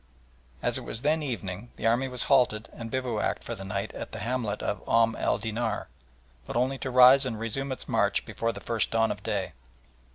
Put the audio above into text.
As it was then evening the army was halted and bivouacked for the night at the hamlet of Om el Dinar, but only to rise and resume its march before the first dawn of day.